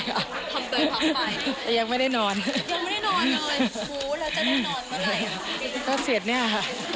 แล้วพี่พี่จะบอกว่าจะให้เราเปลี่ยนไหม